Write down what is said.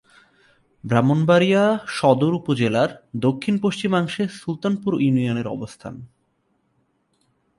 ব্রাহ্মণবাড়িয়া সদর উপজেলার দক্ষিণ-পশ্চিমাংশে সুলতানপুর ইউনিয়নের অবস্থান।